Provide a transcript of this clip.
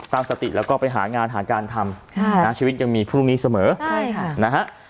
ตั้งสติแล้วก็ไปหางานหาการทำชีวิตยังมีพรุ่งนี้เสมอใช่ค่ะนะฮะ